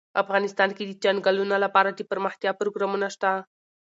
افغانستان کې د چنګلونه لپاره دپرمختیا پروګرامونه شته.